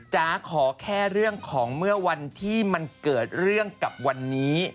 จ๋าขอแค่เรื่องของเมื่อวันที่มันเกิดเรื่องกับวันนี้